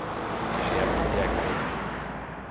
J’ai abrité Aglaé.